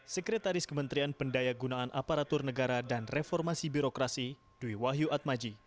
sekretaris kementerian pendaya gunaan aparatur negara dan reformasi birokrasi dwi wahyu atmaji